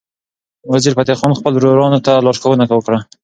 وزیرفتح خان خپل ورورانو ته لارښوونه وکړه.